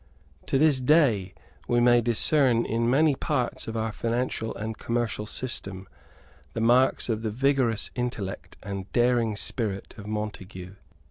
To this day we may discern in many parts of our financial and commercial system the marks of the vigorous intellect and daring spirit of Montague.